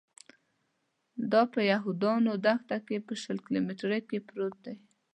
دا په یهودانو دښته کې په شل کیلومترۍ کې پروت دی.